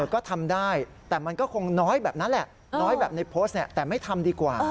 ก็ทำได้แต่มันก็คงน้อยแบบนั้นแหละน้อยแบบในโพสต์แต่ไม่ทำดีกว่า